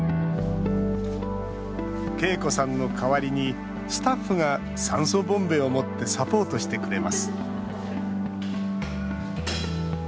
恵子さんの代わりにスタッフが酸素ボンベを持ってサポートしてくれます。